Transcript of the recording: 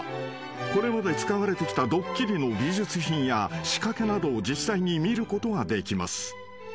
［これまで使われてきたドッキリの美術品や仕掛けなどを実際に見ることができます］